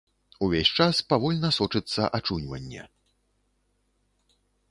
Увесь час павольна сочыцца ачуньванне.